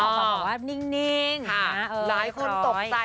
ตอบก่อนว่านิ่งหลายคนตกใจ